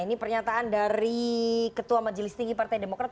ini pernyataan dari ketua majelis tinggi partai demokrat